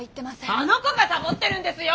あの子がサボってるんですよ！